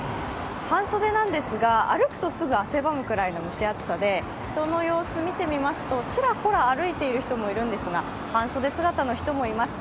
半袖なんですが、歩くとすぐ汗ばむくらいの蒸し暑さで、人の様子見てみますと、ちらほら歩いている人いるんですが半袖姿の人もいます。